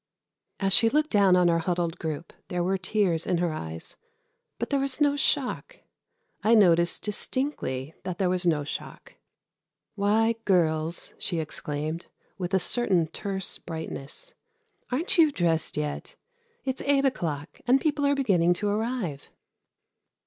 As she looked down on our huddled group there were tears in her eyes, but there was no shock. I noticed distinctly that there was no shock. "Why, girls," she exclaimed, with a certain terse brightness, "aren't you dressed yet? It's eight o'clock and people are beginning to arrive."